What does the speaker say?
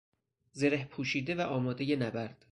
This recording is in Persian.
زره پوشیده و آمادهی نبرد